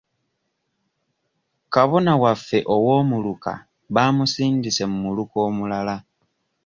Kabona waffe ow'omuluka baamusindise mu muluka omulala.